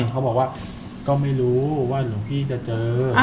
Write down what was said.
เขาบอกว่าก็ไม่รู้ว่าหลวงพี่จะเจอ